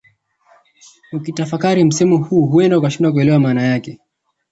Ukitafakari msemo huu huenda ukashindwa kuelewa maana yake